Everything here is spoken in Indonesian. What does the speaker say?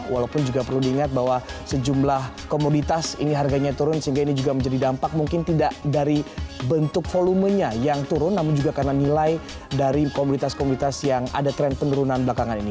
walaupun juga perlu diingat bahwa sejumlah komoditas ini harganya turun sehingga ini juga menjadi dampak mungkin tidak dari bentuk volumenya yang turun namun juga karena nilai dari komoditas komoditas yang ada tren penurunan belakangan ini